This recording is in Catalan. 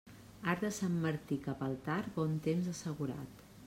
Arc de Sant Martí cap al tard, bon temps assegurat.